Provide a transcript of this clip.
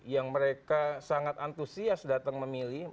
yang mereka sangat antusias datang memilih